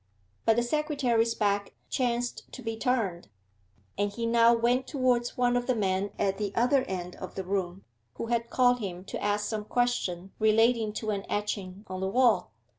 But the secretary's back chanced to be turned, and he now went towards one of the men at the other end of the room, who had called him to ask some question relating to an etching on the wall.